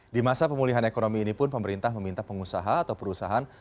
di masa pemulihan ekonomi ini pun pemerintah meminta pengusaha atau perusahaan